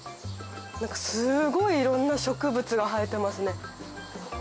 すごいいろんな植物が生えてますね。